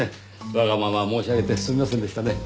わがまま申し上げてすみませんでしたね。